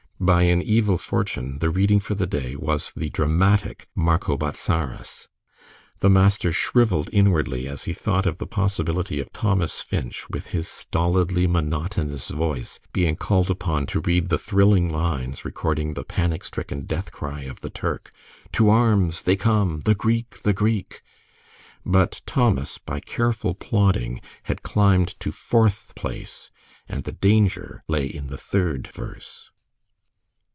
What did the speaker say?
By an evil fortune, the reading for the day was the dramatic "Marco Bozzaris." The master shivered inwardly as he thought of the possibility of Thomas Finch, with his stolidly monotonous voice, being called upon to read the thrilling lines recording the panic stricken death cry of the Turk: "To arms! They come! The Greek! The Greek!" But Thomas, by careful plodding, had climbed to fourth place, and the danger lay in the third verse.